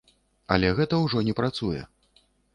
Але гэта ўжо не працуе.